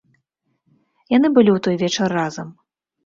Яны былі ў той вечар разам.